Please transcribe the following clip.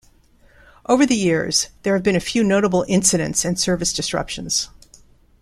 Over the years, there have been a few notable incidents and service disruptions.